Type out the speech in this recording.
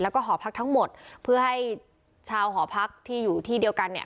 แล้วก็หอพักทั้งหมดเพื่อให้ชาวหอพักที่อยู่ที่เดียวกันเนี่ย